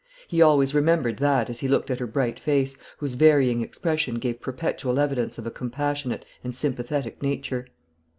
He always remembered that as he looked at her bright face, whose varying expression gave perpetual evidence of a compassionate and sympathetic nature.